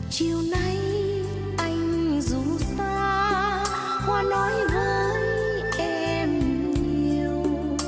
chiều nay anh ru xa hoa nói với em nhiều